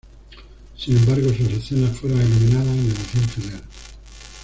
Sin embargo, sus escenas fueron eliminadas en la edición final.